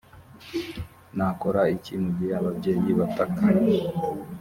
nakora iki mu gihe ababyeyi batak